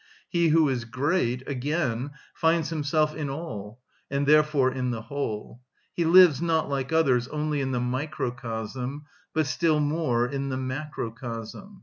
He who is great, again, finds himself in all, and therefore in the whole: he lives not, like others, only in the microcosm, but still more in the macrocosm.